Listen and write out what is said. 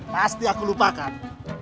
pasti aku lupakan